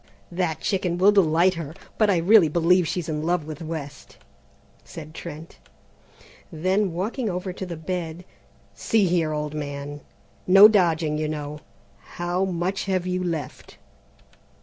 "That chicken will delight her, but I really believe she's in love with West," said Trent. Then walking over to the bed: "See here, old man, no dodging, you know, how much have you left?"